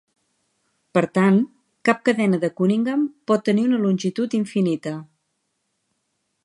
Per tant, cap cadena de Cunningham pot tenir una longitud infinita.